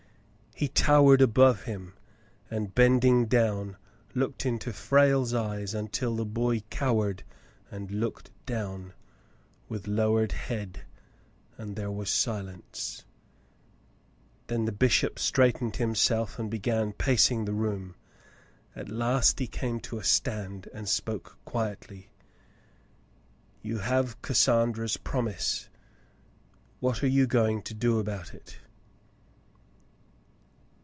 He towered above him, and bending down, looked into Frale's eyes until the boy cowered and looked down, with lowered head, and there was silence. 74 The Mountain Girl Then the bishop straightened himself and began pacing the room. At last he came to a stand and spoke quietly. "You have Cassandra's promise ; what are you going to do about it